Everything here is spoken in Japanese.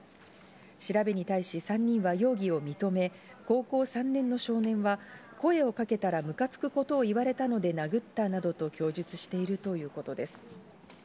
調べに対し、３人は容疑を認め、高校３年の少年は声をかけたら、むかつくことを言われたので殴ったなどと供述しているということです。